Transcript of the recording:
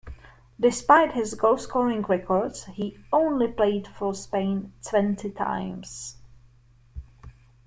Despite his goalscoring records, he only played for Spain twenty times.